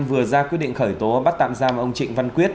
vừa ra quyết định khởi tố bắt tạm giam ông trịnh văn quyết